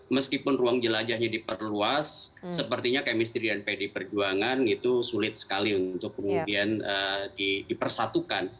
meskipun ruang jelajahnya diperluas sepertinya kemistrian pdi perjuangan itu sulit sekali untuk kemudian dipersatukan